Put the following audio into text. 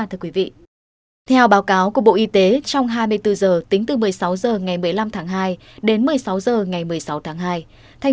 theo báo cáo của bộ y tế trong hai mươi bốn giờ tính từ một mươi sáu giờ ngày một mươi năm tháng hai đến một mươi sáu giờ ngày một mươi sáu tháng hai